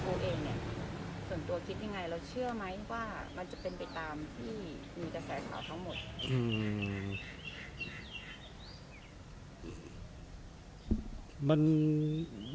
รู้ไหมว่ามันจะเป็นไปตามที่มีกระแสขาวทั้งหมด